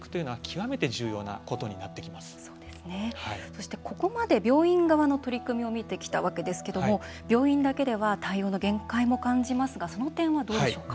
そしてここまで病院側の取り組みを見てきたわけですけども病院だけでは対応の限界も感じますがその点はどうでしょうか？